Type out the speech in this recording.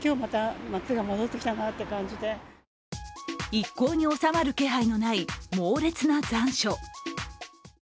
一向に収まる気配のない猛烈な残暑。